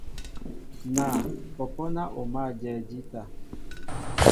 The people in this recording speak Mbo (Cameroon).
Naa , pɔ́pɔ́ ná o mǎl ajɛɛ jíta.